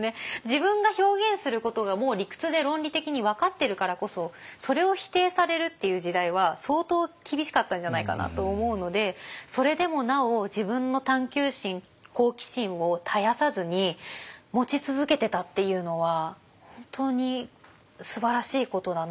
自分が表現することがもう理屈で論理的に分かってるからこそそれを否定されるっていう時代は相当厳しかったんじゃないかなと思うのでそれでもなお自分の探究心好奇心を絶やさずに持ち続けてたっていうのは本当にすばらしいことだなと思います。